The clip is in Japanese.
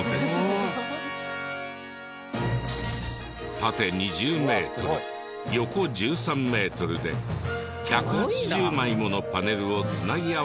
縦２０メートル横１３メートルで１８０枚ものパネルを繋ぎ合わせてできており。